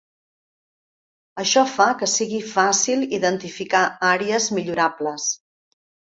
Això fa que sigui fàcil identificar àrees millorables.